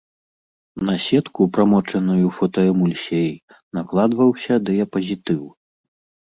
На сетку, прамочаную фотаэмульсіяй, накладваўся дыяпазітыў.